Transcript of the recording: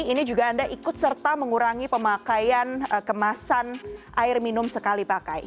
ini juga anda ikut serta mengurangi pemakaian kemasan air minum sekali pakai